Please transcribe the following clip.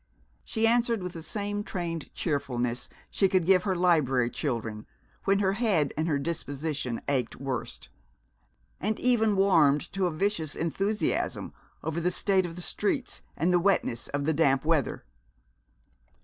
She answered with the same trained cheerfulness she could give her library children when her head and her disposition ached worst; and even warmed to a vicious enthusiasm over the state of the streets and the wetness of the damp weather.